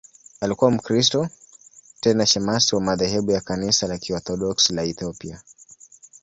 Alikuwa Mkristo, tena shemasi wa madhehebu ya Kanisa la Kiorthodoksi la Ethiopia.